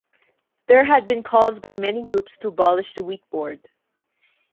There had been calls by many groups to abolish the Wheat Board.